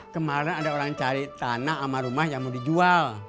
kemarin ada orang cari tanah sama rumah yang mau dijual